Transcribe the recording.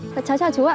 chào chào chú ạ